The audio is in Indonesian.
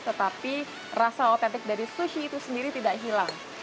tetapi rasa otentik dari sushi itu sendiri tidak hilang